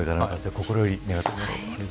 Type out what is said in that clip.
心より願っています。